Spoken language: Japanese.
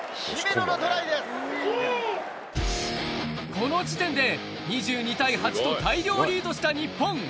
この時点で２２対８と大量リードした日本。